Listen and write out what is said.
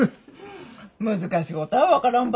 難しいことは分からん